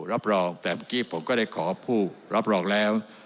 รับรองแต่เมื่อกี้ผมก็ได้ขอผู้รับรองแล้ว